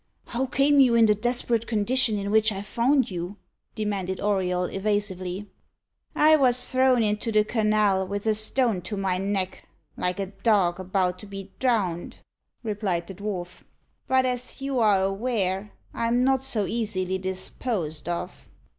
"How came you in the desperate condition in which I found you?" demanded Auriol evasively. "I was thrown into the canal with a stone to my neck, like a dog about to be drowned," replied the dwarf. "But, as you are aware, I'm not so easily disposed of."